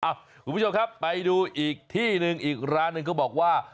คุณผู้ชมครับไปดูอีกที่หนึ่งอีกร้านหนึ่งเขาบอกว่า